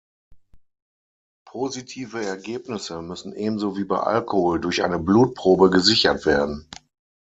Positive Ergebnisse müssen ebenso wie bei Alkohol durch eine Blutprobe gesichert werden.